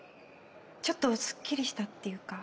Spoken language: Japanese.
ちょっとすっきりしたっていうか。